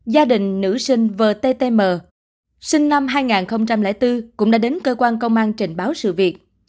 gia đình nữ sinh vttm sinh năm hai nghìn bốn cũng đã đến cơ quan công an trình báo sự việc